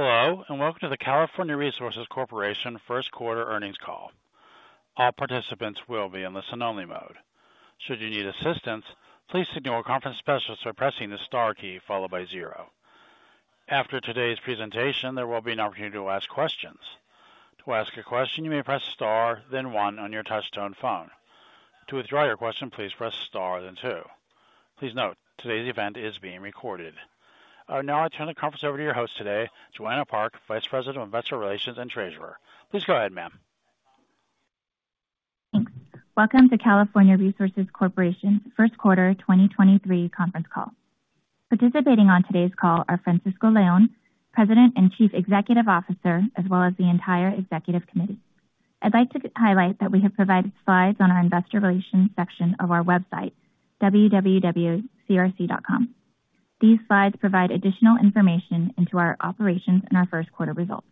Hello, and welcome to the California Resources Corporation first quarter earnings call. All participants will be in listen only mode. Should you need assistance, please signal a conference specialist by pressing the star key followed by zero. After today's presentation, there will be an opportunity to ask questions. To ask a question, you may press star then one on your touchtone phone. To withdraw your question, please press star then two. Please note, today's event is being recorded. I will now turn the conference over to your host today, Joanna Park, Vice President of Investor Relations and Treasurer. Please go ahead, ma'am. Thanks. Welcome to California Resources Corporation's first quarter 2023 conference call. Participating on today's call are Francisco Leon, President and Chief Executive Officer, as well as the entire executive committee. I'd like to highlight that we have provided slides on our investor relations section of our website, www.crc.com. These slides provide additional information into our operations and our first quarter results.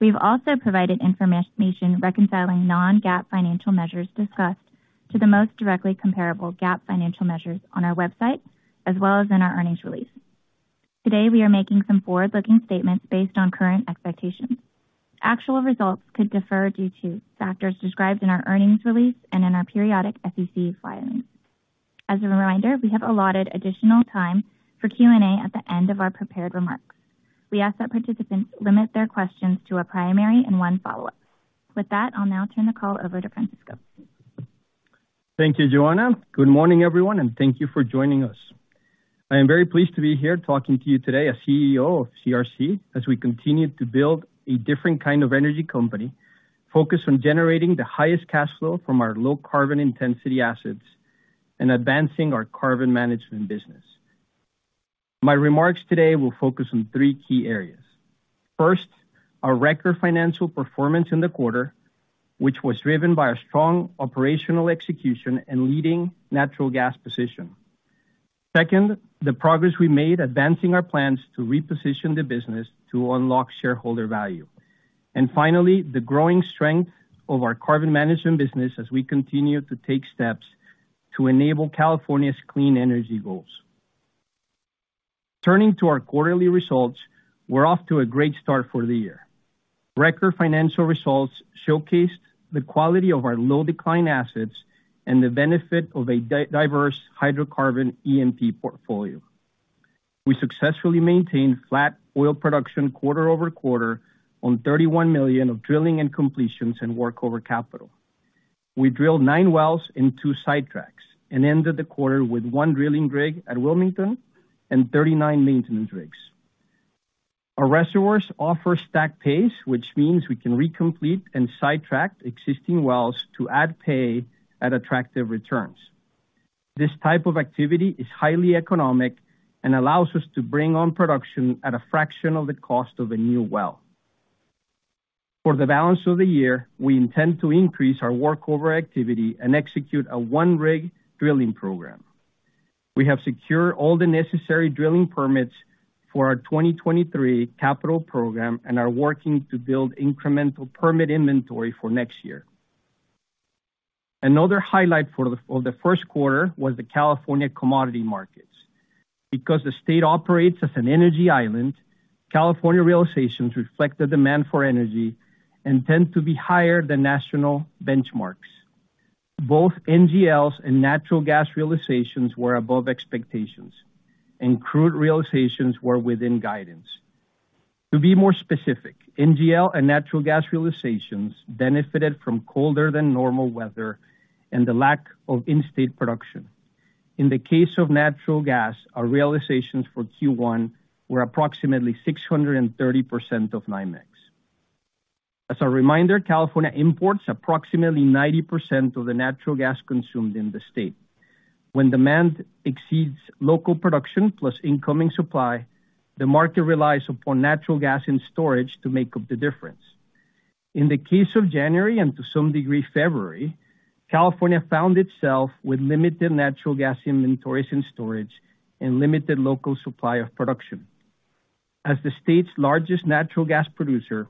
We've also provided information reconciling non-GAAP financial measures discussed to the most directly comparable GAAP financial measures on our website, as well as in our earnings release. Today, we are making some forward-looking statements based on current expectations. Actual results could differ due to factors described in our earnings release and in our periodic SEC filings. As a reminder, we have allotted additional time for Q&A at the end of our prepared remarks. We ask that participants limit their questions to a primary and one follow-up. With that, I'll now turn the call over to Francisco. Thank you, Joanna. Good morning, everyone, and thank you for joining us. I am very pleased to be here talking to you today as CEO of CRC as we continue to build a different kind of energy company focused on generating the highest cash flow from our low carbon intensity assets and advancing our carbon management business. My remarks today will focus on three key areas. First, our record financial performance in the quarter, which was driven by a strong operational execution and leading natural gas position. Second, the progress we made advancing our plans to reposition the business to unlock shareholder value. Finally, the growing strength of our carbon management business as we continue to take steps to enable California's clean energy goals. Turning to our quarterly results, we're off to a great start for the year. Record financial results showcased the quality of our low decline assets and the benefit of a diverse hydrocarbon E&P portfolio. We successfully maintained flat oil production quarter-over-quarter on $31 million of drilling and completions in workover capital. We drilled 9 wells in 2 sidetracks and ended the quarter with 1 drilling rig at Wilmington and 39 maintenance rigs. Our reservoirs offer stack pays, which means we can recomplete and sidetrack existing wells to add pay at attractive returns. This type of activity is highly economic and allows us to bring on production at a fraction of the cost of a new well. For the balance of the year, we intend to increase our workover activity and execute a 1-rig drilling program. We have secured all the necessary drilling permits for our 2023 capital program and are working to build incremental permit inventory for next year. Another highlight for the first quarter was the California commodity markets. The state operates as an energy island, California realizations reflect the demand for energy and tend to be higher than national benchmarks. Both NGLs and natural gas realizations were above expectations, and crude realizations were within guidance. To be more specific, NGL and natural gas realizations benefited from colder than normal weather and the lack of in-state production. In the case of natural gas, our realizations for Q1 were approximately 630% of NYMEX. As a reminder, California imports approximately 90% of the natural gas consumed in the state. When demand exceeds local production plus incoming supply, the market relies upon natural gas and storage to make up the difference. In the case of January, and to some degree, February, California found itself with limited natural gas inventories and storage and limited local supply of production. As the state's largest natural gas producer,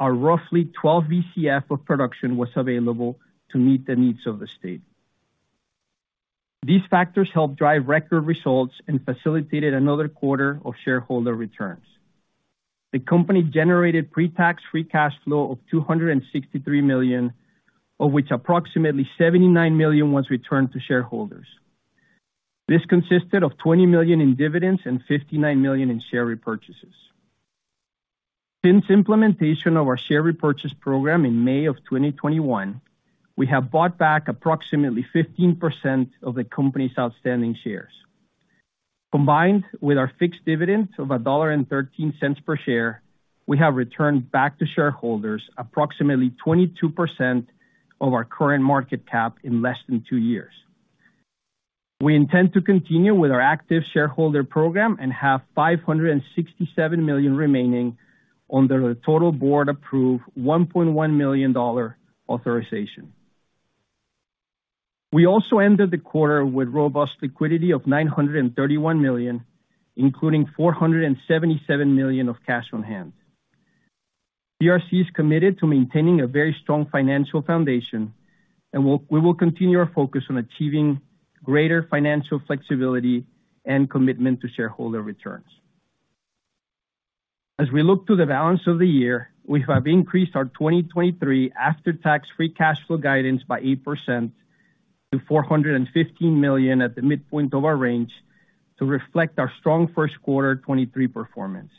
our roughly 12 Bcf of production was available to meet the needs of the state. These factors helped drive record results and facilitated another quarter of shareholder returns. The company generated pre-tax free cash flow of $263 million, of which approximately $79 million was returned to shareholders. This consisted of $20 million in dividends and $59 million in share repurchases. Since implementation of our share repurchase program in May of 2021, we have bought back approximately 15% of the company's outstanding shares. Combined with our fixed dividend of $1.13 per share, we have returned back to shareholders approximately 22% of our current market cap in less than two years. We intend to continue with our active shareholder program and have $567 million remaining under the total board-approved $1.1 million authorization. We also ended the quarter with robust liquidity of $931 million, including $477 million of cash on hand. CRC is committed to maintaining a very strong financial foundation, and we will continue our focus on achieving greater financial flexibility and commitment to shareholder returns. As we look to the balance of the year, we have increased our 2023 after-tax free cash flow guidance by 8% to $415 million at the midpoint of our range to reflect our strong first quarter 2023 performance.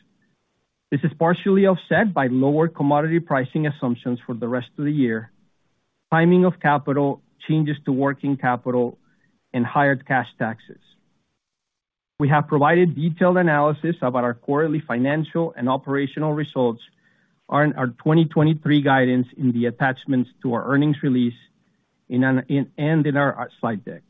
This is partially offset by lower commodity pricing assumptions for the rest of the year, timing of capital, changes to working capital, and higher cash taxes. We have provided detailed analysis about our quarterly financial and operational results on our 2023 guidance in the attachments to our earnings release and in our slide deck.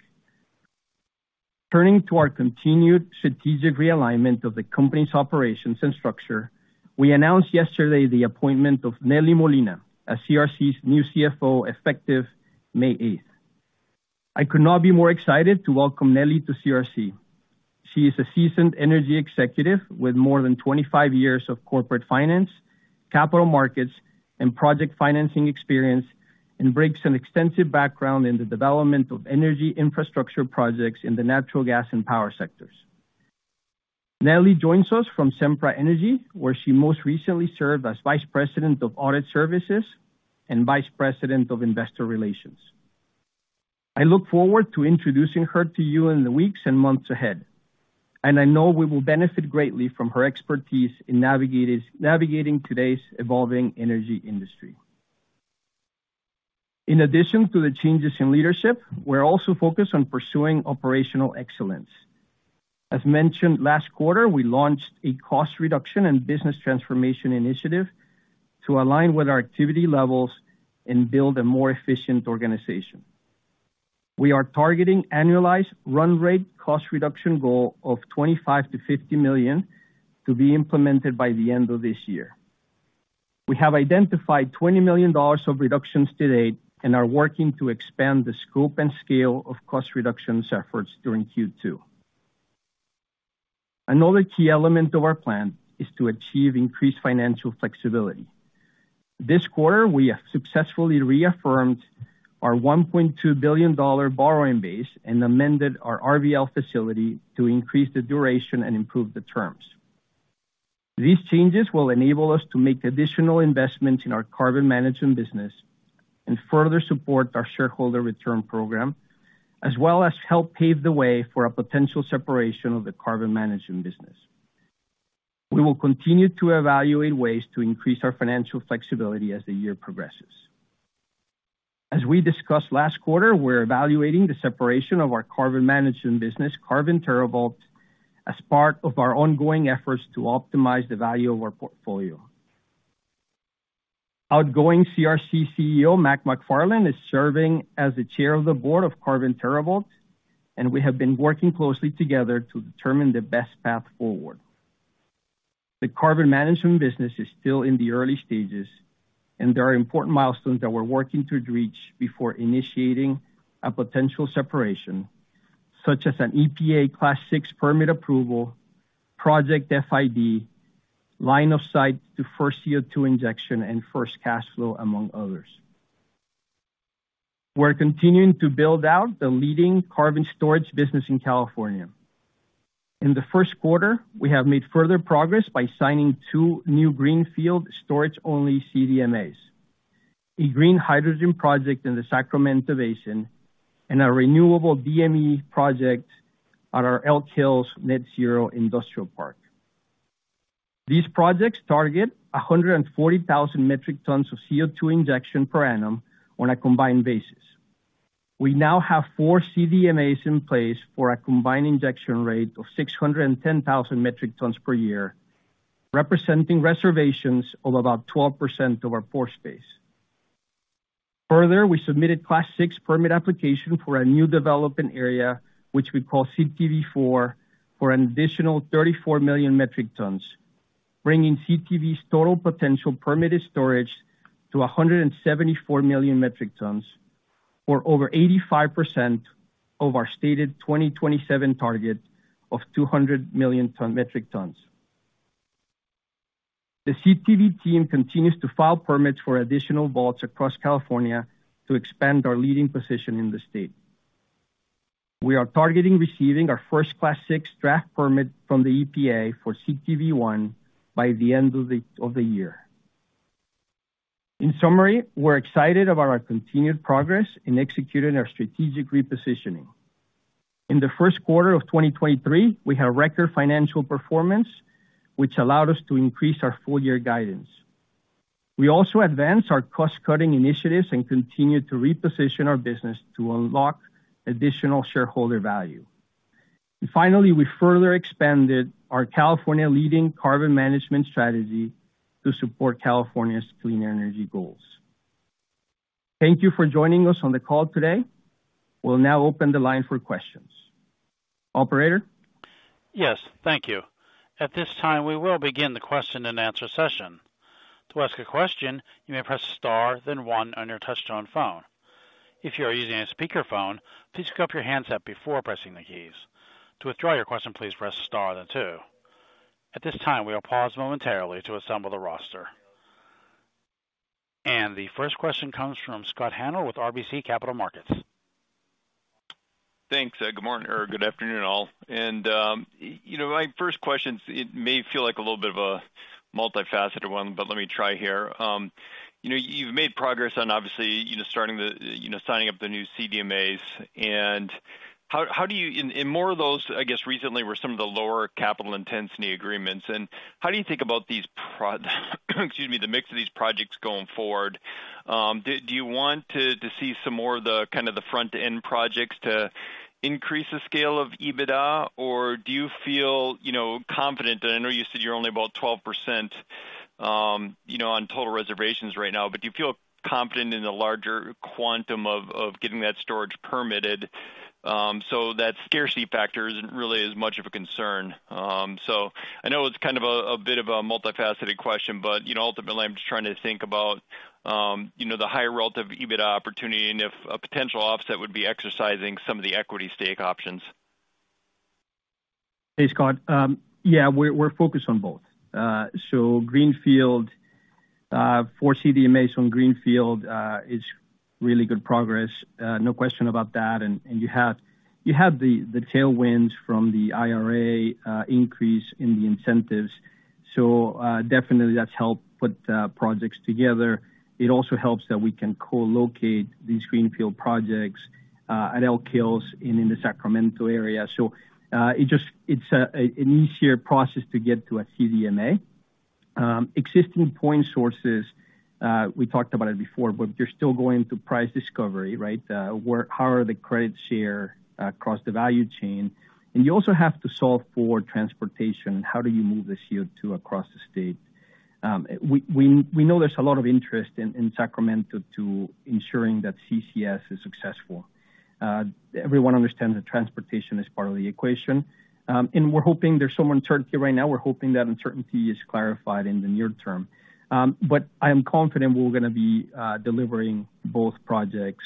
Turning to our continued strategic realignment of the company's operations and structure, we announced yesterday the appointment of Nelly Molina as CRC's new CFO effective May eighth. I could not be more excited to welcome Nelly to CRC. She is a seasoned energy executive with more than 25 years of corporate finance, capital markets, and project financing experience, and brings an extensive background in the development of energy infrastructure projects in the natural gas and power sectors. Nelly joins us from Sempra Energy, where she most recently served as Vice President of Audit Services and Vice President of Investor Relations. I look forward to introducing her to you in the weeks and months ahead, and I know we will benefit greatly from her expertise in navigating today's evolving energy industry. In addition to the changes in leadership, we're also focused on pursuing operational excellence. As mentioned last quarter, we launched a cost reduction and business transformation initiative to align with our activity levels and build a more efficient organization. We are targeting annualized run rate cost reduction goal of $25 million-$50 million to be implemented by the end of this year. We have identified $20 million of reductions to date and are working to expand the scope and scale of cost reductions efforts during Q2. Another key element of our plan is to achieve increased financial flexibility. This quarter, we have successfully reaffirmed our $1.2 billion borrowing base and amended our RBL facility to increase the duration and improve the terms. These changes will enable us to make additional investments in our carbon management business and further support our shareholder return program, as well as help pave the way for a potential separation of the carbon management business. We will continue to evaluate ways to increase our financial flexibility as the year progresses. As we discussed last quarter, we're evaluating the separation of our carbon management business, Carbon TerraVault, as part of our ongoing efforts to optimize the value of our portfolio. Outgoing CRC CEO Mac McFarland is serving as the chair of the board of Carbon TerraVault, and we have been working closely together to determine the best path forward. The carbon management business is still in the early stages, and there are important milestones that we're working to reach before initiating a potential separation, such as an EPA Class VI permit approval, project FID, line of sight to first CO2 injection, and first cash flow, among others. We're continuing to build out the leading carbon storage business in California. In the first quarter, we have made further progress by signing 2 new greenfield storage-only CDMAs, a green hydrogen project in the Sacramento Basin, and a renewable DME project at our Elk Hills Net Zero Industrial Park. These projects target 140,000 metric tons of CO2 injection per annum on a combined basis. We now have 4 CDMAs in place for a combined injection rate of 610,000 metric tons per year, representing reservations of about 12% of our pore space. We submitted Class VI permit application for a new development area, which we call CTV IV, for an additional 34 million metric tons, bringing CTV's total potential permitted storage to 174 million metric tons, or over 85% of our stated 2027 target of 200 million metric tons. The CTV team continues to file permits for additional vaults across California to expand our leading position in the state. We are targeting receiving our 1st Class VI draft permit from the EPA for CTV I by the end of the year. In summary, we're excited about our continued progress in executing our strategic repositioning. In the first quarter of 2023, we had record financial performance, which allowed us to increase our full year guidance. We also advanced our cost-cutting initiatives and continued to reposition our business to unlock additional shareholder value. Finally, we further expanded our California leading carbon management strategy to support California's clean energy goals. Thank you for joining us on the call today. We'll now open the line for questions. Operator? Yes. Thank you. At this time, we will begin the question-and-answer session. To ask a question, you may press star then one on your touchtone phone. If you are using a speakerphone, please pick up your handset before pressing the keys. To withdraw your question, please press star then two. At this time, we will pause momentarily to assemble the roster. The first question comes from Scott Hanold with RBC Capital Markets. Thanks. Good morning or good afternoon all. you know, my first question, it may feel like a little bit of a multifaceted one, but let me try here. You know, you've made progress on obviously, you know, starting the, you know, signing up the new CDMAs. How do you. More of those, I guess, recently were some of the lower capital intensity agreements. How do you think about these, excuse me, the mix of these projects going forward? Do you want to see some more of the kind of the front-end projects to increase the scale of EBITDA? Do you feel, you know, confident that I know you said you're only about 12%, you know, on total reservations right now, but do you feel confident in the larger quantum of getting that storage permitted, so that scarcity factor isn't really as much of a concern? I know it's kind of a bit of a multifaceted question, but, you know, ultimately, I'm just trying to think about, you know, the high relative EBITDA opportunity and if a potential offset would be exercising some of the equity stake options. Hey, Scott. Yeah, we're focused on both. Greenfield for CDMAs on greenfield is really good progress. No question about that. You have the tailwinds from the IRA, increase in the incentives. Definitely that's helped put projects together. It also helps that we can co-locate these greenfield projects at Elk Hills and in the Sacramento area. It's an easier process to get to a CDMA. Existing point sources, we talked about it before, you're still going to price discovery, right? How are the credits shared across the value chain? You also have to solve for transportation. How do you move the CO2 across the state? We know there's a lot of interest in Sacramento to ensuring that CCS is successful. Everyone understands that transportation is part of the equation. We're hoping there's some uncertainty right now. We're hoping that uncertainty is clarified in the near term. I am confident we're gonna be delivering both projects.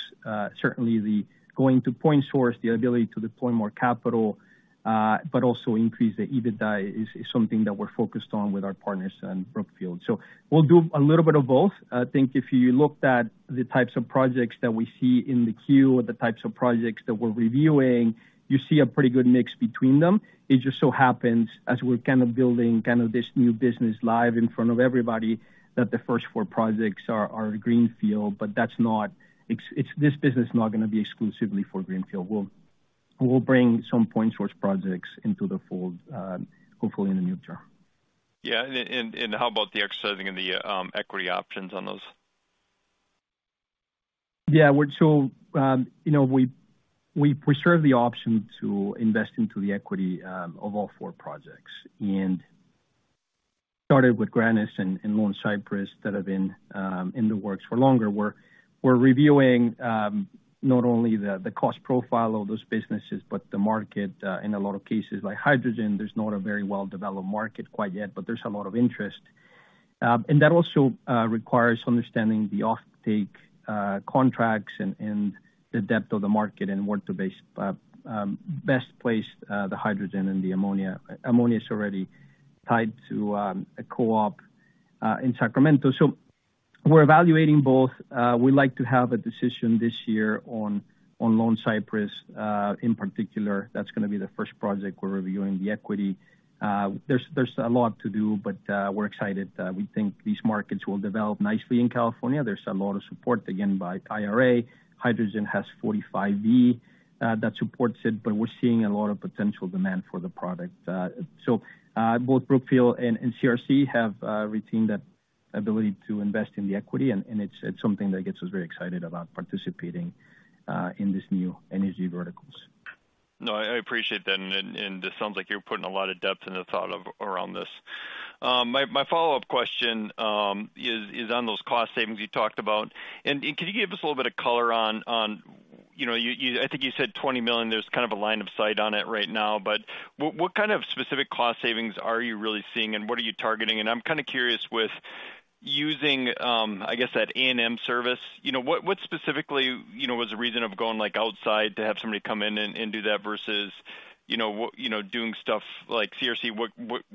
Certainly the going to point source, the ability to deploy more capital, but also increase the EBITDA is something that we're focused on with our partners in Brookfield. We'll do a little bit of both. I think if you looked at the types of projects that we see in the queue or the types of projects that we're reviewing, you see a pretty good mix between them. It just so happens as we're kind of building kind of this new business live in front of everybody, that the first four projects are greenfield, that's not. This business is not gonna be exclusively for greenfield. We'll bring some point source projects into the fold, hopefully in the near term. Yeah. How about the exercising of the equity options on those? You know, we reserve the option to invest into the equity of all four projects and started with Grannus and Lone Cypress that have been in the works for longer. We're reviewing not only the cost profile of those businesses, but the market in a lot of cases. Like hydrogen, there's not a very well-developed market quite yet, but there's a lot of interest. That also requires understanding the offtake contracts and the depth of the market and where to best place the hydrogen and the ammonia. Ammonia is already tied to a co-op in Sacramento. We're evaluating both. We like to have a decision this year on Lone Cypress in particular. That's gonna be the first project we're reviewing the equity. There's a lot to do, but we're excited. We think these markets will develop nicely in California. There's a lot of support, again, by IRA. Hydrogen has 45 E that supports it, but we're seeing a lot of potential demand for the product. Both Brookfield and CRC have retained that ability to invest in the equity, and it's something that gets us very excited about participating in these new energy verticals. No, I appreciate that. This sounds like you're putting a lot of depth into thought of around this. My follow-up question is on those cost savings you talked about. Can you give us a little bit of color on, you know, I think you said $20 million. There's kind of a line of sight on it right now, but what kind of specific cost savings are you really seeing, and what are you targeting? I'm kind of curious with using, I guess that A&M service. You know, what specifically, you know, was the reason of going, like, outside to have somebody come in and do that versus, you know, what, you know, doing stuff like CRC. What,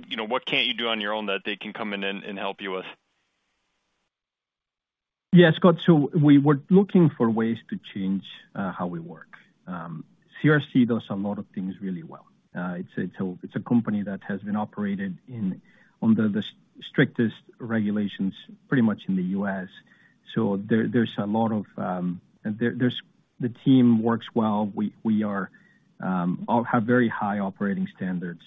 you know, what can't you do on your own that they can come in and help you with? Scott, we were looking for ways to change how we work. CRC does a lot of things really well. It's a company that has been operated in under the strictest regulations, pretty much in the U.S. There's a lot of, the team works well. We are all have very high operating standards.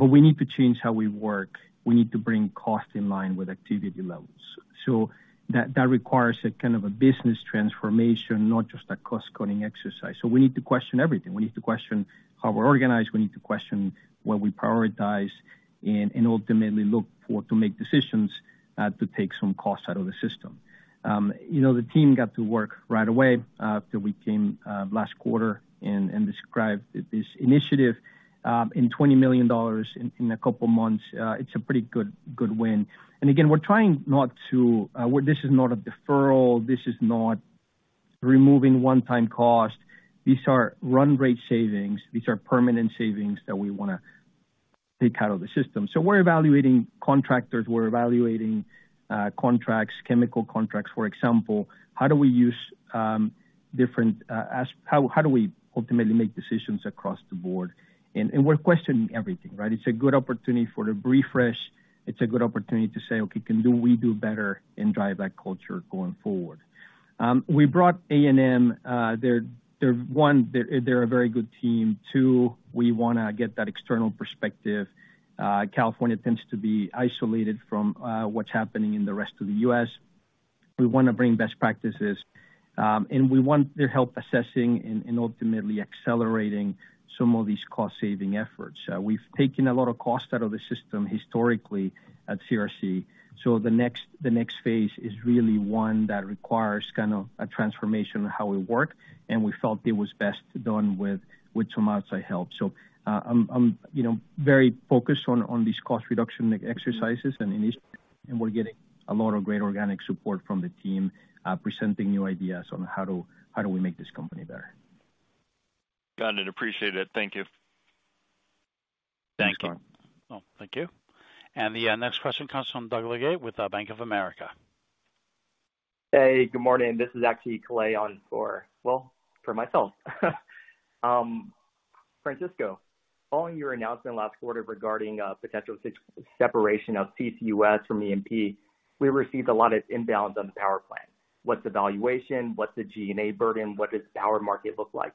We need to change how we work. We need to bring cost in line with activity levels. That requires a kind of a business transformation, not just a cost-cutting exercise. We need to question everything. We need to question how we're organized, we need to question what we prioritize and ultimately look for to make decisions to take some cost out of the system. You know, the team got to work right away, after we came last quarter and described this initiative, in $20 million in a couple months. It's a pretty good win. We're trying not to... this is not a deferral, this is not Removing one time cost. These are run rate savings. These are permanent savings that we wanna take out of the system. We're evaluating contractors, we're evaluating contracts, chemical contracts, for example. How do we use different, how do we ultimately make decisions across the board? We're questioning everything, right? It's a good opportunity for a refresh. It's a good opportunity to say, okay, can do we do better and drive that culture going forward. We brought A&M, they're a very good team. Two, we wanna get that external perspective. California tends to be isolated from what's happening in the rest of the U.S. We wanna bring best practices, and we want their help assessing and ultimately accelerating some of these cost saving efforts. We've taken a lot of cost out of the system historically at CRC. The next phase is really one that requires kind of a transformation of how we work, and we felt it was best done with some outside help. I'm, you know, very focused on these cost reduction exercises and we're getting a lot of great organic support from the team presenting new ideas on how we make this company better. Got it. Appreciate it. Thank you. Thank you. Oh, thank you. The next question comes from Doug Leggate with Bank of America. Hey, good morning. This is actually Kalei on for, well, for myself. Francisco, following your announcement last quarter regarding a potential separation of CCUS from E&P, we received a lot of inbounds on the power plant. What's the valuation? What's the G&A burden? What does the power market look like?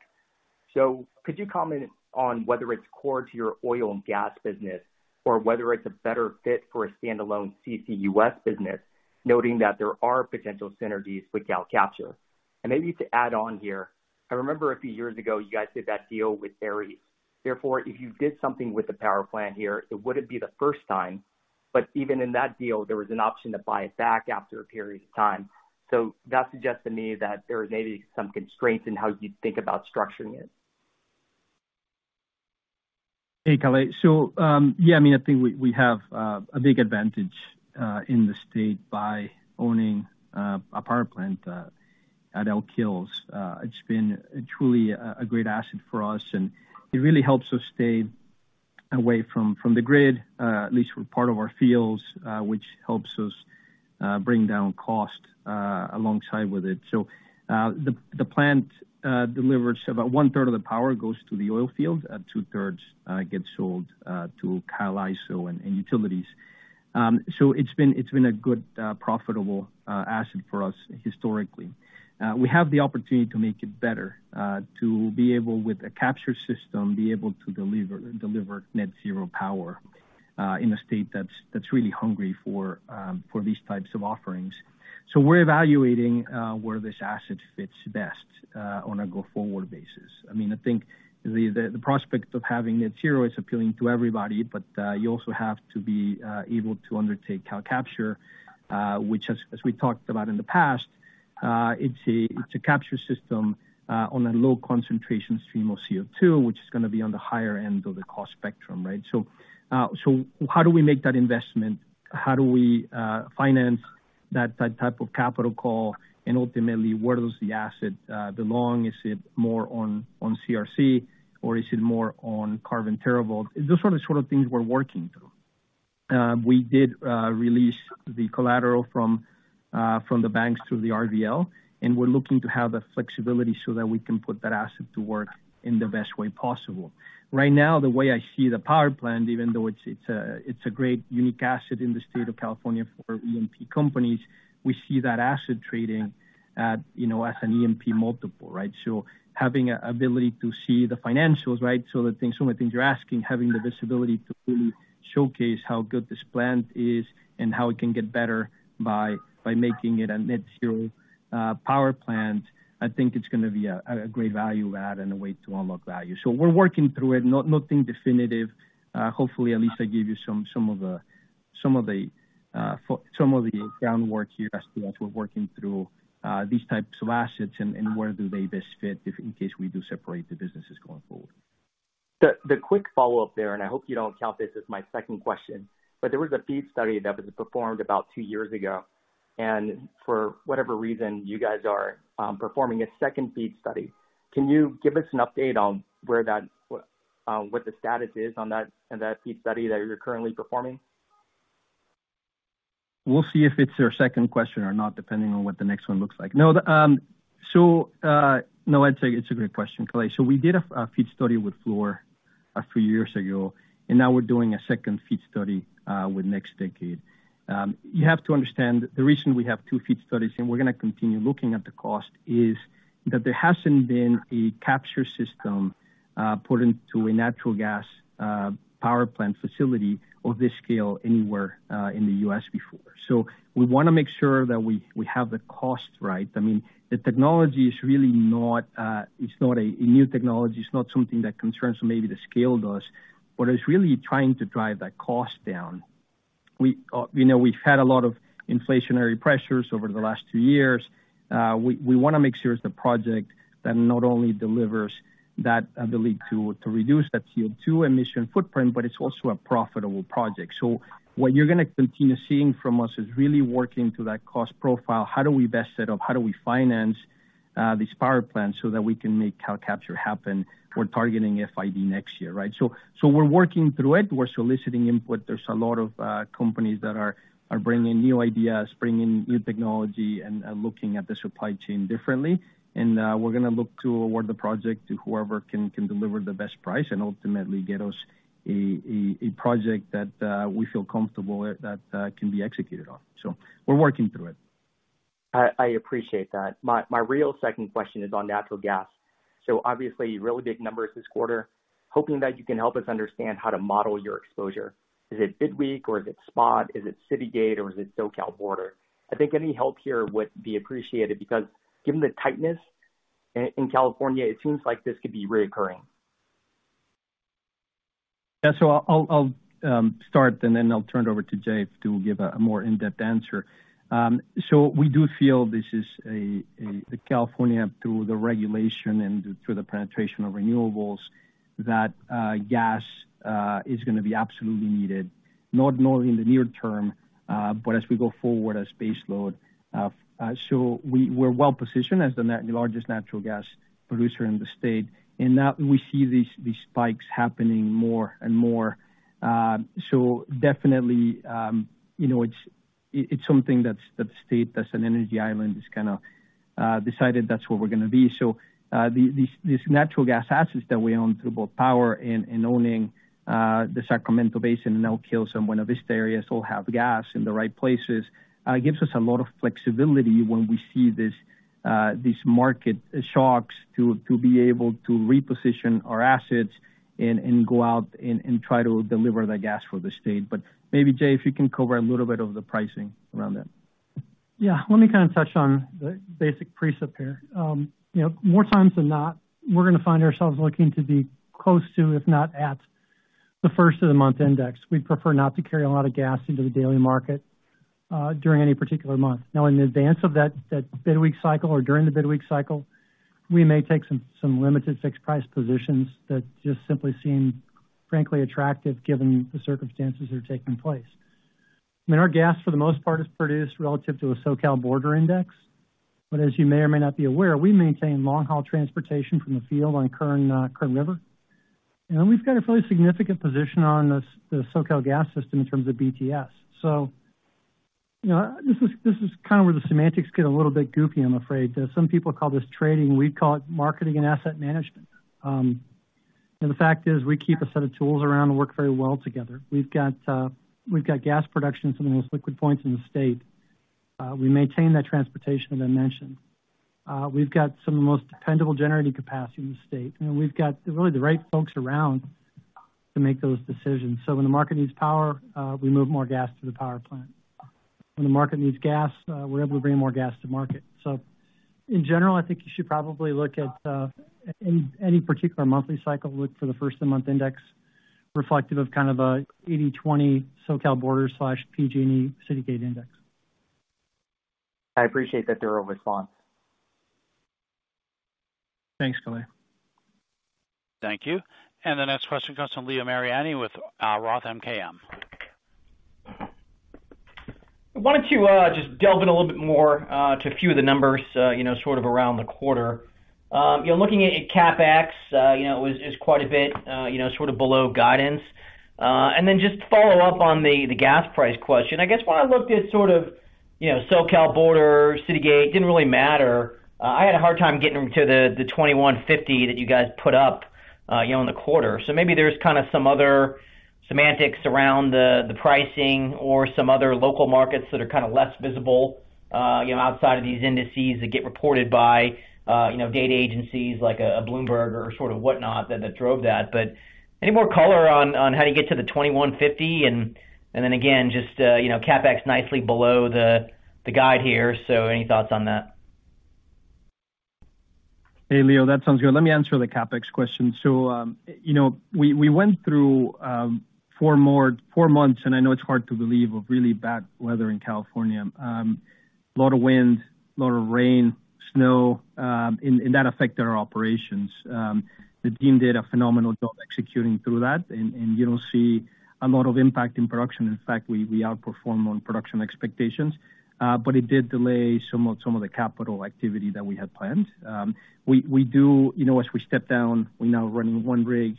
Could you comment on whether it's core to your oil and gas business or whether it's a better fit for a standalone CCUS business, noting that there are potential synergies with CalCapture? Maybe to add on here, I remember a few years ago you guys did that deal with Ares. Therefore, if you did something with the power plant here, it wouldn't be the first time. Even in that deal, there was an option to buy it back after a period of time. That suggests to me that there is maybe some constraints in how you think about structuring it. Hey, Kalei. Yeah, I mean, I think we have a big advantage in the state by owning a power plant at Elk Hills. It's been truly a great asset for us, and it really helps us stay away from the grid, at least for part of our fields, which helps us bring down cost alongside with it. The plant delivers about 1/3 of the power goes to the oil field, and 2/3 gets sold to CAISO and utilities. It's been, it's been a good, profitable asset for us historically. We have the opportunity to make it better, to be able, with a capture system, be able to deliver net zero power in a state that's really hungry for these types of offerings. We're evaluating where this asset fits best on a go-forward basis. I mean, I think the prospect of having net zero is appealing to everybody, but you also have to be able to undertake CalCapture, which as we talked about in the past, it's a capture system on a low concentration stream of CO2, which is going to be on the higher end of the cost spectrum, right? How do we make that investment? How do we finance that type of capital call? Ultimately, where does the asset belong? Is it more on CRC or is it more on Carbon TerraVault? Those are the sort of things we're working through. We did release the collateral from the banks through the RBL, and we're looking to have the flexibility so that we can put that asset to work in the best way possible. Right now, the way I see the power plant, even though it's a great unique asset in the state of California for E&P companies, we see that asset trading at, you know, as an E&P multiple, right? Having a ability to see the financials, right? The things, some of the things you're asking, having the visibility to fully showcase how good this plant is and how it can get better by making it a net zero power plant, I think it's gonna be a great value add and a way to unlock value. We're working through it. Nothing definitive. Hopefully, at least I gave you some of the groundwork here as to as we're working through these types of assets and where do they best fit if in case we do separate the businesses going forward. The quick follow-up there. I hope you don't count this as my second question. There was a FEED study that was performed about 2 years ago. For whatever reason, you guys are performing a second FEED study. Can you give us an update on where that, what the status is on that FEED study that you're currently performing? We'll see if it's your second question or not, depending on what the next one looks like. No, I'd say it's a great question, Kalei. We did a FEED study with Fluor a few years ago, and now we're doing a second FEED study with NextDecade. You have to understand the reason we have two FEED studies, and we're gonna continue looking at the cost, is that there hasn't been a capture system put into a natural gas power plant facility of this scale anywhere in the U.S. before. We wanna make sure that we have the costs right. I mean, the technology is really not, it's not a new technology. It's not something that concerns maybe the scale to us. What it's really trying to drive that cost down. We, you know, we've had a lot of inflationary pressures over the last two years. We wanna make sure it's a project that not only delivers that ability to reduce that CO2 emission footprint, but it's also a profitable project. What you're gonna continue seeing from us is really working through that cost profile. How do we best set up, how do we finance these power plants so that we can make CalCapture happen. We're targeting FID next year, right? We're working through it. We're soliciting input. There's a lot of companies that are bringing new ideas, bringing new technology and looking at the supply chain differently. We're gonna look to award the project to whoever can deliver the best price and ultimately get us a project that we feel comfortable that can be executed on. We're working through it. I appreciate that. My real second question is on natural gas. Obviously really big numbers this quarter, hoping that you can help us understand how to model your exposure. Is it bid week or is it spot? Is it Citygate or is it SoCal border? I think any help here would be appreciated because given the tightness in California, it seems like this could be reoccurring. Yeah. I'll start and then I'll turn it over to Jay to give a more in-depth answer. We do feel this is a California through the regulation and through the penetration of renewables that gas is gonna be absolutely needed, not in the near term, but as we go forward as base load. We're well positioned as the largest natural gas producer in the state, and now we see these spikes happening more and more. Definitely, you know, it's something that the state as an energy island has kinda decided that's w hat we're gonna be. These, these natural gas assets that we own through both power and owning, the Sacramento Basin and the. Buena Vista areas all have gas in the right places, gives us a lot of flexibility when we see this, these market shocks to be able to reposition our assets and go out and try to deliver that gas for the state. Maybe, Jay, if you can cover a little bit of the pricing around that. Yeah. Let me kind of touch on the basic precept here. You know, more times than not, we're gonna find ourselves looking to be close to, if not at, the first-of-the-month index. We'd prefer not to carry a lot of gas into the daily market during any particular month. In advance of that bid week cycle or during the bid week cycle, we may take some limited fixed price positions that just simply seem frankly attractive given the circumstances that are taking place. I mean, our gas for the most part, is produced relative to a SoCal border index. As you may or may not be aware, we maintain long-haul transportation from the field on Kern River. We've got a fairly significant position on the SoCalGas system in terms of BTS. You know, this is kind of where the semantics get a little bit goofy, I'm afraid. Some people call this trading, we call it marketing and asset management. The fact is we keep a set of tools around that work very well together. We've got gas production in some of the most liquid points in the state. We maintain that transportation, as I mentioned. We've got some of the most dependable generating capacity in the state, and we've got really the right folks around to make those decisions. When the market needs power, we move more gas to the power plant. When the market needs gas, we're able to bring more gas to market. In general, I think you should probably look at any particular monthly cycle, look for the first-of-the-month index reflective of kind of a 80-20 SoCal Border and PG&E Citygate index. I appreciate the thorough response. Thanks, Kalei. Thank you. The next question comes from Leo Mariani with ROTH MKM. Wanted to, just delve in a little bit more, to a few of the numbers, you know, sort of around the quarter. You know, looking at CapEx, you know, is quite a bit, you know, sort of below guidance. Just to follow up on the gas price question. I guess when I looked at sort of, you know, SoCal border, Citygate, didn't really matter. I had a hard time getting to the $21.50 that you guys put up, you know, in the quarter. Maybe there's kind of some other semantics around the pricing or some other local markets that are kind of less visible, you know, outside of these indices that get reported by you know data agencies like Bloomberg or sort of whatnot that drove that. Any more color on how do you get to the $2,150? Then again, just, you know, CapEx nicely below the guide here. Any thoughts on that? Hey, Leo, that sounds good. Let me answer the CapEx question. You know, we went through 4 months, and I know it's hard to believe, of really bad weather in California. A lot of wind, a lot of rain, snow, that affected our operations. The team did a phenomenal job executing through that. You don't see a lot of impact in production. In fact, we outperformed on production expectations. It did delay some of the capital activity that we had planned. We do, you know, as we step down, we're now running 1 rig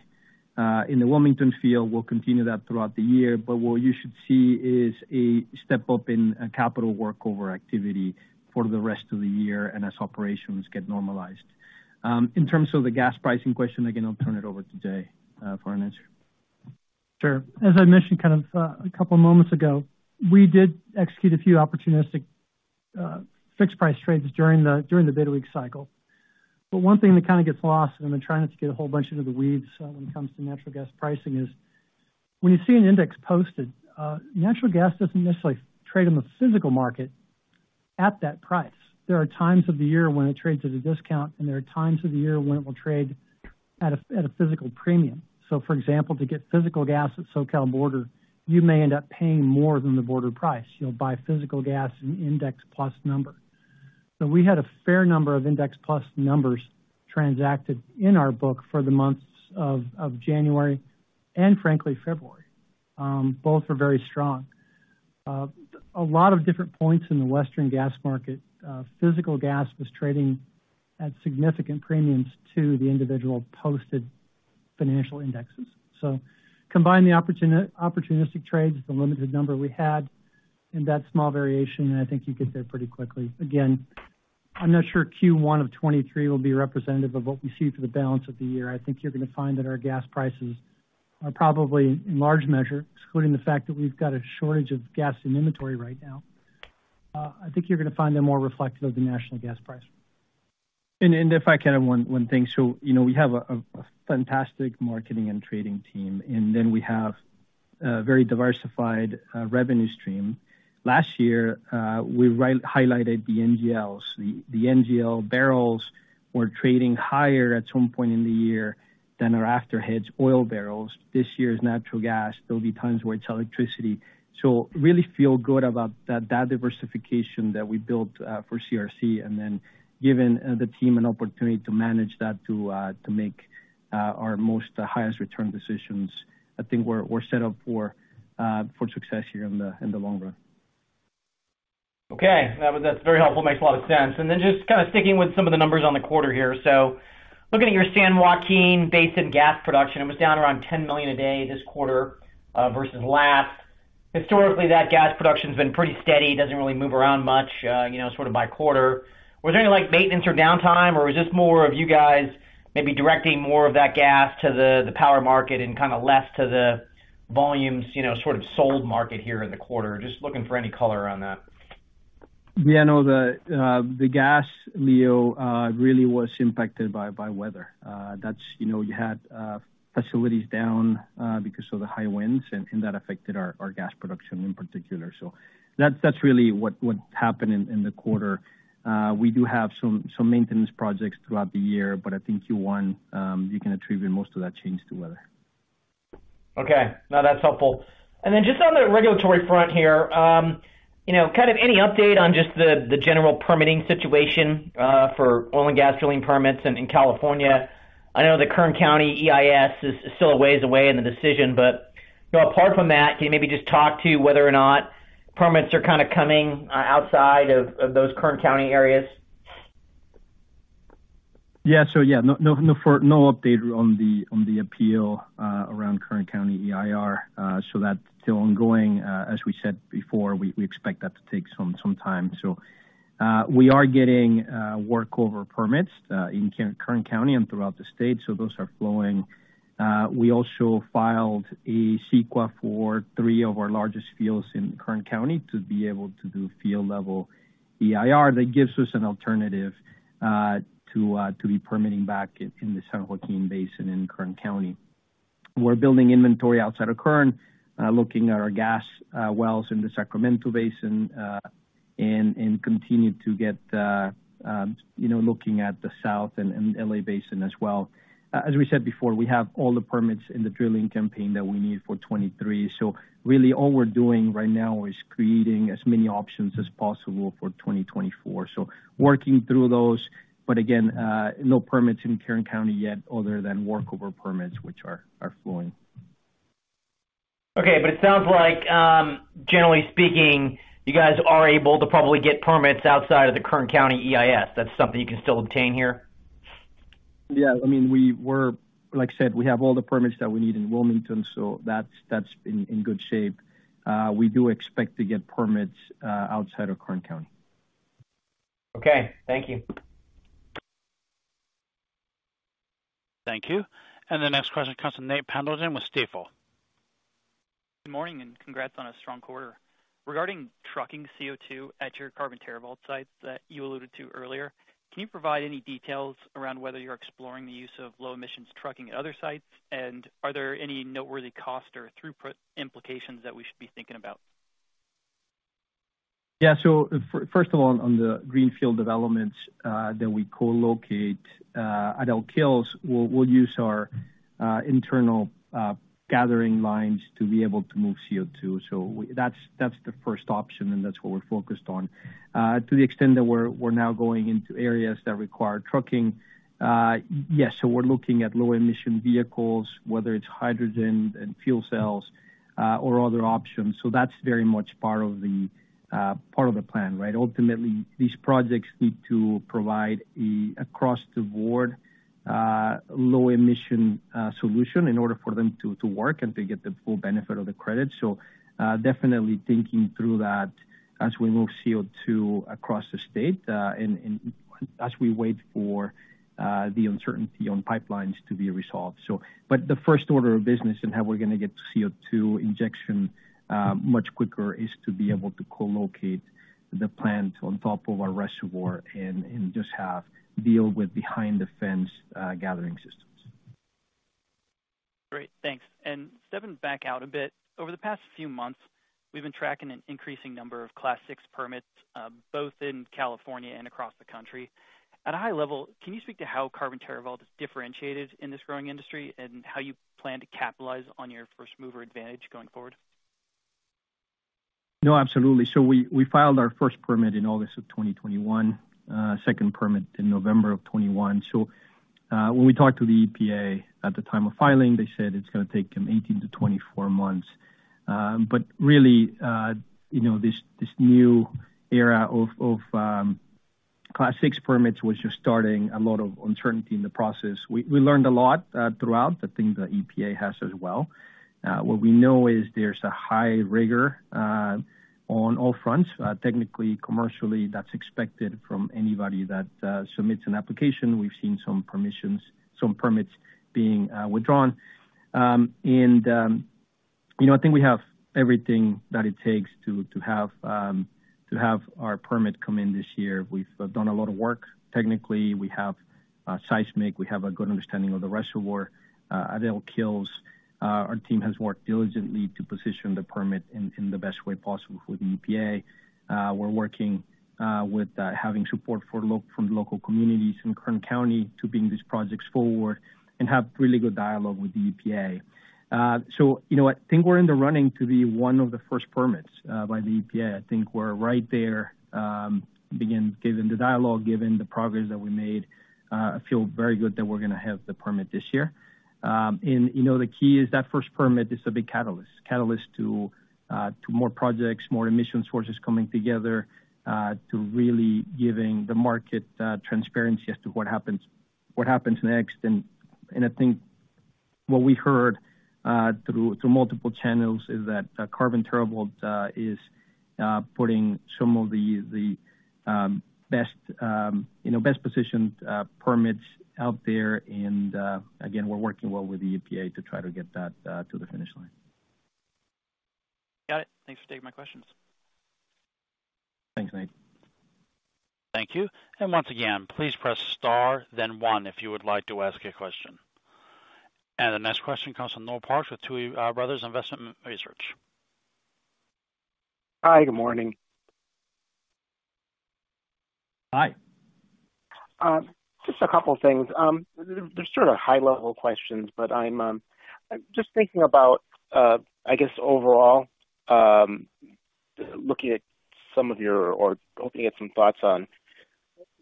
in the Wilmington field. We'll continue that throughout the year. What you should see is a step-up in capital workover activity for the rest of the year and as operations get normalized. In terms of the gas pricing question, again, I'll turn it over to Jay for an answer. Sure. As I mentioned kind of a couple moments ago, we did execute a few opportunistic, fixed price trades during the, during the bid week cycle. One thing that kind of gets lost, and I'm trying not to get a whole bunch into the weeds, when it comes to natural gas pricing, is when you see an index posted, natural gas doesn't necessarily trade on the physical market at that price. There are times of the year when it trades at a discount, and there are times of the year when it will trade at a physical premium. For example, to get physical gas at SoCal border, you may end up paying more than the border price. You'll buy physical gas in Index Plus number. We had a fair number of Index Plus numbers transacted in our book for the months of January and frankly, February. Both were very strong. A lot of different points in the Western gas market, physical gas was trading at significant premiums to the individual posted financial indexes. Combine the opportunistic trades, the limited number we had, and that small variation, and I think you get there pretty quickly. Again, I'm not sure Q1 of 2023 will be representative of what we see for the balance of the year. I think you're gonna find that our gas prices are probably in large measure, excluding the fact that we've got a shortage of gas in inventory right now, I think you're gonna find them more reflective of the national gas price. If I can add one thing. You know, we have a fantastic marketing and trading team, and then we have a very diversified revenue stream. Last year, we highlighted the NGLs. The NGL barrels were trading higher at some point in the year than our after-hedge oil barrels. This year's natural gas, there'll be times where it's electricity. Really feel good about that diversification that we built for CRC, and then giving the team an opportunity to manage that to make our most highest return decisions. I think we're set up for success here in the long run. Okay. That's very helpful. Makes a lot of sense. Just kind of sticking with some of the numbers on the quarter here. Looking at your San Joaquin Basin gas production, it was down around 10 million a day this quarter versus last. Historically, that gas production's been pretty steady, doesn't really move around much, you know, sort of by quarter. Was there any, like, maintenance or downtime, or was this more of you guys maybe directing more of that gas to the power market and kind of less to the volumes, you know, sort of sold market here in the quarter? Just looking for any color on that. No, the gas, Leo, really was impacted by weather. You know, you had facilities down because of the high winds and that affected our gas production in particular. That's really what happened in the quarter. We do have some maintenance projects throughout the year, but I think Q1, you can attribute most of that change to weather. Okay. No, that's helpful. Just on the regulatory front here, you know, kind of any update on just the general permitting situation for oil and gas drilling permits in California. I know the Kern County EIR is still a way away in the decision, but, you know, apart from that, can you maybe just talk to whether or not permits are kind of coming outside of those Kern County areas? Yeah, no update on the appeal around Kern County EIR. That's still ongoing. As we said before, we expect that to take some time. We are getting work over permits in Kern County and throughout the state, so those are flowing. We also filed a CEQA for 3 of our largest fields in Kern County to be able to do field level EIR. That gives us an alternative to be permitting back in the San Joaquin Basin in Kern County. We're building inventory outside of Kern, looking at our gas wells in the Sacramento Basin, and continue to get, you know, looking at the South and LA Basin as well. As we said before, we have all the permits in the drilling campaign that we need for 2023. Really all we're doing right now is creating as many options as possible for 2024. Working through those, but again, no permits in Kern County yet other than work over permits, which are flowing. Okay. It sounds like, generally speaking, you guys are able to probably get permits outside of the Kern County EIR. That's something you can still obtain here? Yeah. I mean, Like I said, we have all the permits that we need in Wilmington, so that's in good shape. We do expect to get permits outside of Kern County. Okay. Thank you. Thank you. The next question comes from Nate Pendleton with Stifel. Good morning. Congrats on a strong quarter. Regarding trucking CO2 at your Carbon TerraVault site that you alluded to earlier; can you provide any details around whether you're exploring the use of low emissions trucking at other sites? Are there any noteworthy cost or throughput implications that we should be thinking about? First of all, on the greenfield developments that we co-locate at oil fields, we'll use our internal gathering lines to be able to move CO2. That's the first option, and that's what we're focused on. To the extent that we're now going into areas that require trucking, yes, we're looking at low emission vehicles, whether it's hydrogen and fuel cells or other options. That's very much part of the part of the plan, right? Ultimately, these projects need to provide across the board low emission solution in order for them to work and to get the full benefit of the credit. Definitely thinking through that as we move CO2 across the state, and as we wait for the uncertainty on pipelines to be resolved. The first order of business and how we're gonna get CO2 injection much quicker is to be able to co-locate the plant on top of our reservoir and just deal with behind the fence gathering systems. Great. Thanks. Stepping back out a bit, over the past few months, we've been tracking an increasing number of Class VI permits, both in California and across the country. At a high level, can you speak to how Carbon TerraVault is differentiated in this growing industry and how you plan to capitalize on your first mover advantage going forward? Absolutely. We filed our first permit in August of 2021, second permit in November of 2021. When we talked to the EPA at the time of filing, they said it's gonna take them 18-24 months. Really, you know, this new era of Class VI permits was just starting a lot of uncertainty in the process. We learned a lot throughout. I think the EPA has as well. What we know is there's a high rigor on all fronts. Technically, commercially, that's expected from anybody that submits an application. We've seen some permissions, some permits being withdrawn. You know, I think we have everything that it takes to have our permit come in this year. We've done a lot of work technically. We have seismic. We have a good understanding of the reservoir at Elk Hills. Our team has worked diligently to position the permit in the best way possible for the EPA. We're working with having support from local communities in Kern County to bring these projects forward and have really good dialogue with the EPA. You know what? I think we're in the running to be one of the first permits by the EPA. I think we're right there. Again, given the dialogue, given the progress that we made, I feel very good that we're gonna have the permit this year. You know, the key is that first permit is a big catalyst. Catalyst to more projects, more emission sources coming together, to really giving the market transparency as to what happens, what happens next. I think what we heard through multiple channels is that Carbon TerraVault is putting some of the best, you know, best positioned permits out there. Again, we're working well with the EPA to try to get that to the finish line. Got it. Thanks for taking my questions. Thanks, Nate. Thank you. Once again, please press Star then 1 if you would like to ask a question. The next question comes from Noel Parks with Tuohy Brothers Investment Research. Hi. Good morning. Hi. Just a couple of things. They're sort of high-level questions, but I'm just thinking about, I guess, overall, looking at some of your... or hoping to get some thoughts on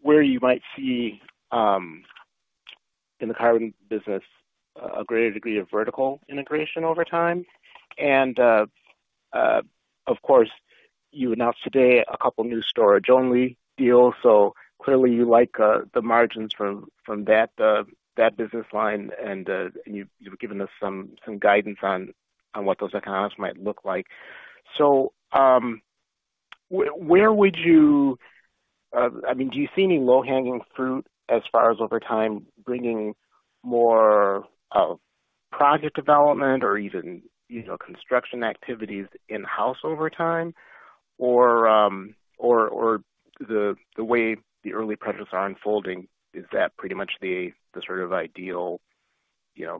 where you might see, in the carbon business a greater degree of vertical integration over time. Of course you announced today a couple new storage-only deals. Clearly you like the margins from that business line. You've given us some guidance on what those economics might look like. Where would you... I mean, do you see any low-hanging fruit as far as over time bringing more project development or even, you know, construction activities in-house over time? The way the early projects are unfolding, is that pretty much the sort of ideal, you know,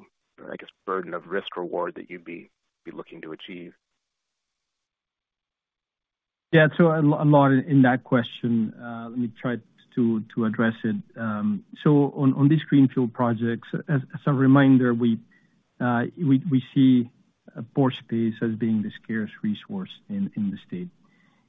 I guess, burden of risk reward that you'd be looking to achieve? Yeah. A lot in that question. Let me try to address it. On these greenfield projects, as a reminder, we see pore space as being the scarce resource in the state.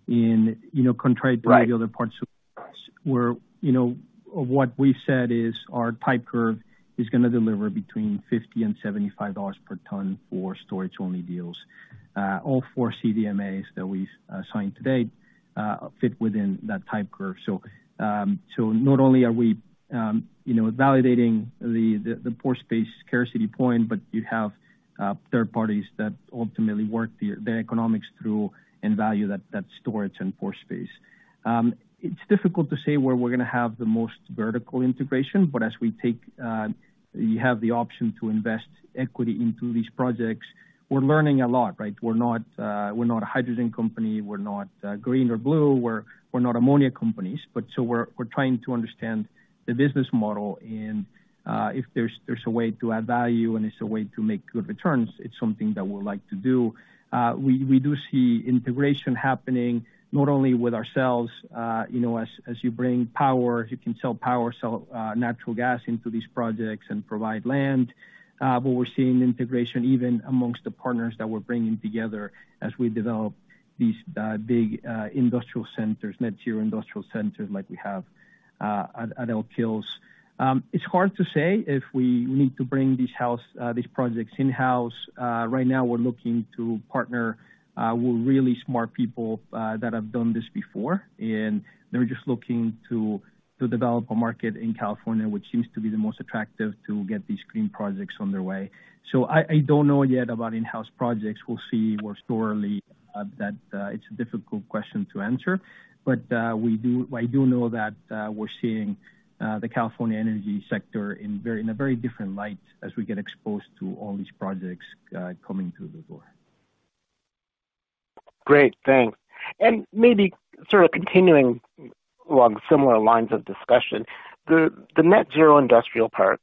You know, contrary to many other parts of- Right Where, what we've said is our type curve is gonna deliver between $50 and $75 per ton for storage-only deals. All 4 CDMAs that we signed today fit within that type curve. Not only are we validating the pore space scarcity point, but you have third parties that ultimately work the economics through and value that storage and pore space. It's difficult to say where we're gonna have the most vertical integration, but as we take, you have the option to invest equity into these projects, we're learning a lot, right? We're not a hydrogen company, we're not green or blue, we're not ammonia companies. We're trying to understand the business model and if there's a way to add value and there's a way to make good returns, it's something that we'd like to do. We do see integration happening not only with ourselves, you know, as you bring power, you can sell power, sell natural gas into these projects and provide land. We're seeing integration even amongst the partners that we're bringing together as we develop these big industrial centers, net zero industrial centers like we have at Elk Hills. It's hard to say if we need to bring these projects in-house. Right now we're looking to partner with really smart people that have done this before, and they're just looking to develop a market in California, which seems to be the most attractive to get these green projects underway. I don't know yet about in-house projects. We'll see more squarely at that. It's a difficult question to answer, but I do know that we're seeing the California energy sector in a very different light as we get exposed to all these projects coming through the door. Great. Thanks. Maybe sort of continuing along similar lines of discussion, the net zero industrial park,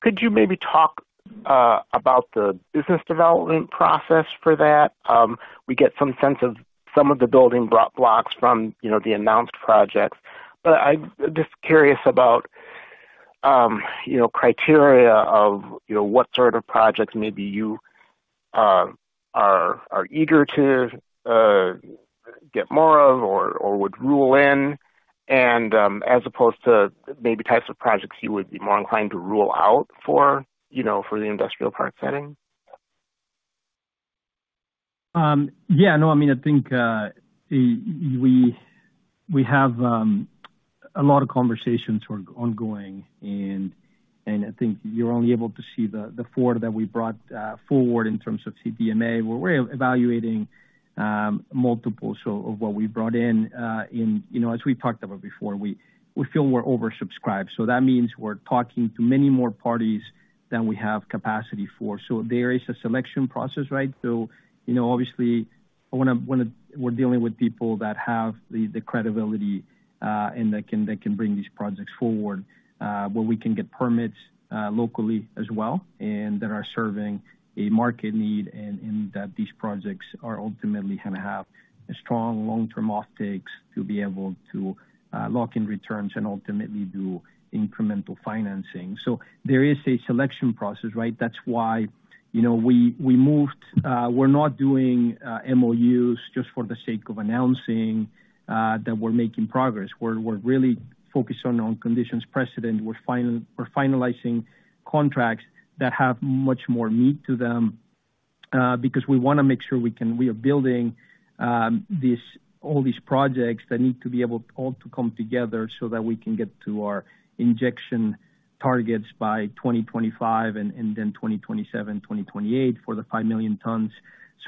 could you maybe talk about the business development process for that? We get some sense of some of the building blocks from, you know, the announced projects. I'm just curious about, you know, criteria of, you know, what sort of projects maybe you are eager to get more of or would rule in as opposed to maybe types of projects you would be more inclined to rule out for, you know, for the industrial park setting. Yeah, no, I mean, I think we have a lot of conversations were ongoing. I think you're only able to see the 4 that we brought forward in terms of CDMA, where we're evaluating multiples. Of what we brought in as we talked about before, we feel we're oversubscribed. That means we're talking to many more parties than we have capacity for. There is a selection process, right? You know, obviously, when we're dealing with people that have the credibility, and that can bring these projects forward, where we can get permits, locally as well, and that these projects are ultimately gonna have strong long-term offtakes to be able to lock in returns and ultimately do incremental financing. There is a selection process, right? That's why, you know, we moved. We're not doing MOUs just for the sake of announcing that we're making progress. We're really focused on conditions precedent. We're finalizing contracts that have much more meat to them, because we wanna make sure we are building this, all these projects that need to be able all to come together so that we can get to our injection targets by 2025 and then 2027, 2028 for the 5 million tons.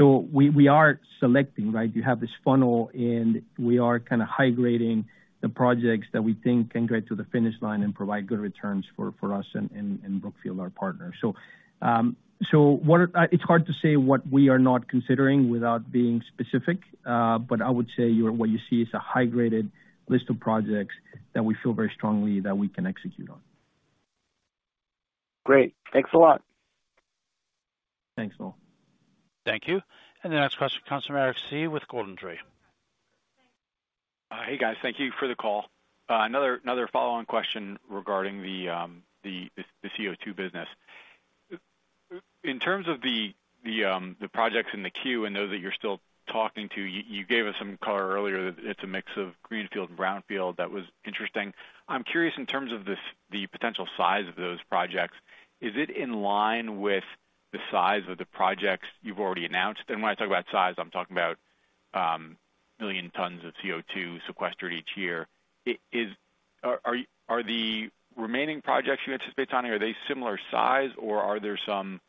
We are selecting, right? You have this funnel, and we are kinda high grading the projects that we think can get to the finish line and provide good returns for us and Brookfield, our partner. It's hard to say what we are not considering without being specific, but I would say what you see is a high-graded list of projects that we feel very strongly that we can execute on. Great. Thanks a lot. Thanks, Noel. Thank you. The next question comes from Eric Seeve with GoldenTree. Hey, guys. Thank you for the call. Another follow-on question regarding the CO2 business. In terms of the projects in the queue I know that you're still talking to, you gave us some color earlier that it's a mix of greenfield and brownfield that was interesting. I'm curious in terms of the potential size of those projects. Is it in line with the size of the projects you've already announced? When I talk about size, I'm talking about million tons of CO2 sequestered each year. Are the remaining projects you anticipate signing, are they similar size, or are there some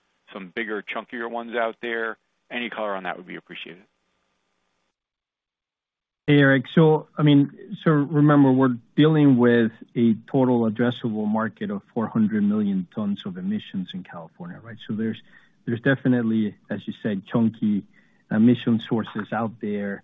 bigger, chunkier ones out there? Any color on that would be appreciated. Hey, Eric. I mean, remember, we're dealing with a total addressable market of 400 million tons of emissions in California, right? There's definitely, as you said, chunky emission sources out there.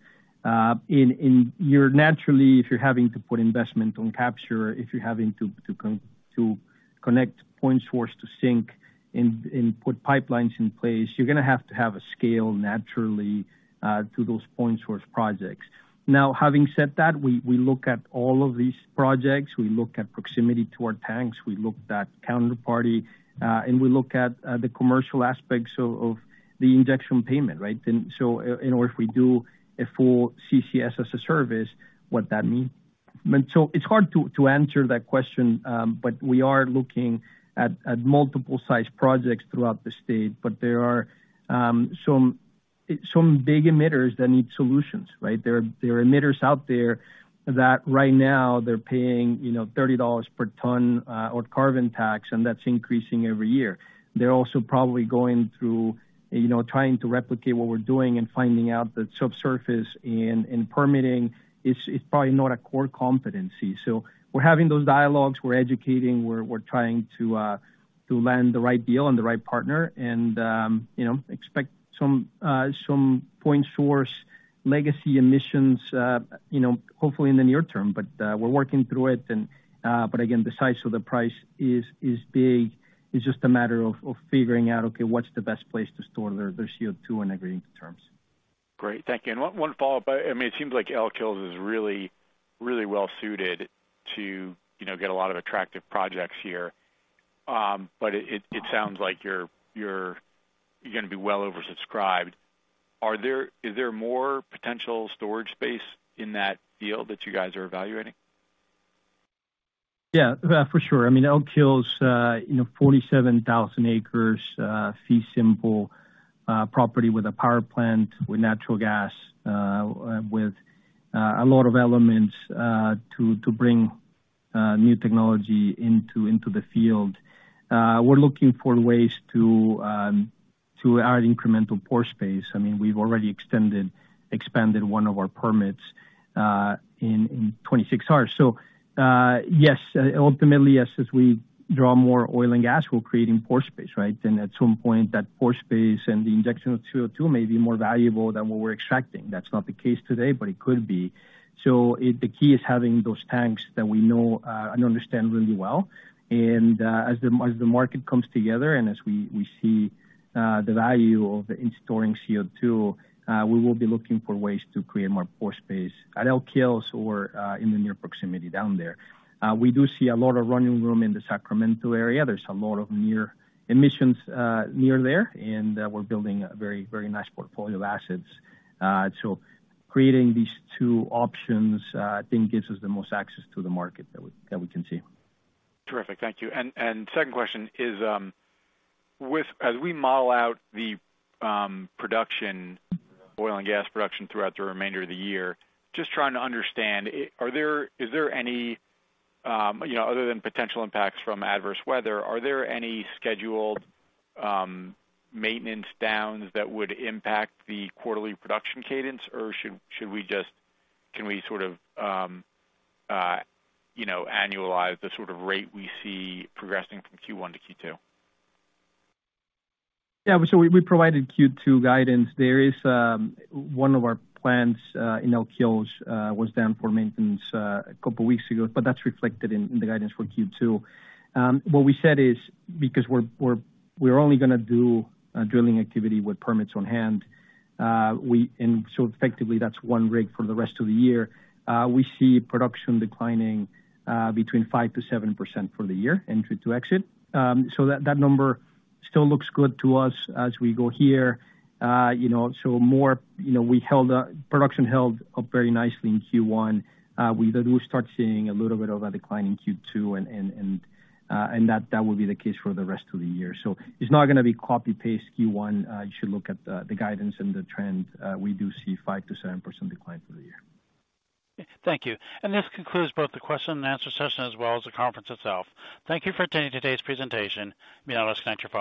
In, and you're naturally, if you're having to put investment on capture, if you're having to connect point source to sync and put pipelines in place, you're gonna have to have a scale naturally to those point source projects. Having said that, we look at all of these projects. We look at proximity to our tanks, we look at counterparty, and we look at the commercial aspects of the injection payment, right? In order if we do a full CCS as a service, what that means. It's hard to answer that question, but we are looking at multiple size projects throughout the state. There are some big emitters that need solutions, right? There are emitters out there that right now they're paying, you know, $30 per ton on carbon tax, and that's increasing every year. They're also probably going through, you know, trying to replicate what we're doing and finding out that subsurface and permitting is probably not a core competency. We're having those dialogues, we're educating, we're trying to land the right deal and the right partner and, you know, expect some point source legacy emissions, you know, hopefully in the near term. We're working through it and again, the size of the price is big. It's just a matter of figuring out, okay, what's the best place to store their CO2 and agreeing to terms. Great. Thank you. One follow-up. I mean, it seems like Elk Hills is really, really well suited to, you know, get a lot of attractive projects here. It sounds like you're gonna be well oversubscribed. Is there more potential storage space in that field that you guys are evaluating? Yeah, for sure. I mean, Elk Hills, you know, 47,000 acres, fee simple, property with a power plant, with natural gas, with a lot of elements to bring new technology into the field. We're looking for ways to add incremental pore space. I mean, we've already expanded one of our permits in 26R. Yes, ultimately yes, as we draw more oil and gas, we're creating pore space, right? At some point that pore space and the injection of CO2 may be more valuable than what we're extracting. That's not the case today, but it could be. The key is having those tanks that we know and understand really well. As the, as the market comes together and as we see the value of in storing CO2, we will be looking for ways to create more pore space at Elk Hills or in the near proximity down there. We do see a lot of running room in the Sacramento area. There's a lot of near emissions near there, and we're building a very, very nice portfolio of assets. Creating these two options, I think gives us the most access to the market that we, that we can see. Terrific. Thank you. Second question is, as we model out the production, oil and gas production throughout the remainder of the year, just trying to understand, is there any, you know, other than potential impacts from adverse weather, are there any scheduled maintenance downs that would impact the quarterly production cadence, or should we just, can we sort of, you know, annualize the sort of rate we see progressing from Q1 to Q2? We provided Q2 guidance. There is one of our plants in Elk Hills was down for maintenance a couple weeks ago. That's reflected in the guidance for Q2. What we said is, because we're only gonna do drilling activity with permits on hand, effectively, that's one rig for the rest of the year. We see production declining between 5%-7% for the year, entry to exit. That number still looks good to us as we go here. You know, more, you know, production held up very nicely in Q1. We do start seeing a little bit of a decline in Q2 and that will be the case for the rest of the year. It's not gonna be copy-paste Q1. You should look at the guidance and the trend. We do see 5%-7% decline for the year. Thank you. This concludes both the question-and-answer session as well as the conference itself. Thank you for attending today's presentation. You may now disconnect your phones.